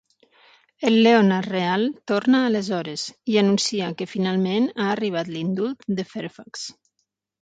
El Leonard real torna aleshores i anuncia que finalment ha arribat l'indult de Fairfax.